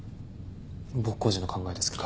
僕個人の考えですけど。